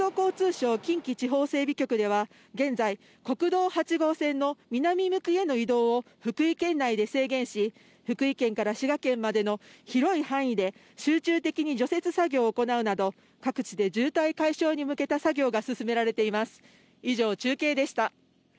国土交通省近畿地方整備局では現在、国道８号線の南向きへの移動を福井県内で制限し、福井県から滋賀県までの広い範囲で集中的に除雪作業を行うなど各地で渋滞解消に向けた作業が進められています。